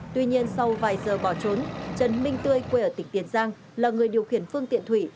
tuy nhiên sau vài giờ bỏ trốn trần minh tươi quê ở tỉnh tiền giang là người điều khiển phương tiện thủy